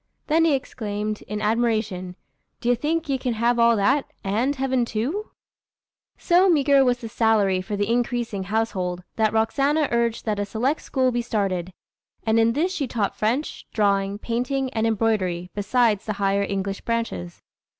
Then he exclaimed, in admiration, "D'ye think ya can have all that, and heaven too?" So meagre was the salary for the increasing household, that Roxana urged that a select school be started; and in this she taught French, drawing, painting, and embroidery, besides the higher English branches.